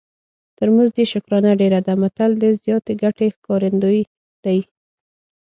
تر مزد یې شکرانه ډېره ده متل د زیاتې ګټې ښکارندوی دی